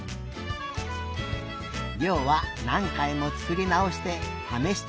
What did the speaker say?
りょうはなんかいもつくりなおしてためしていたね。